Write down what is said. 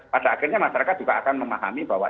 pada akhirnya masyarakat juga akan memahami bahwa